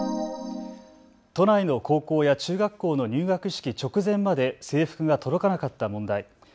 都内の高校や中学校の入学式直前まで制服が届かなかった問題。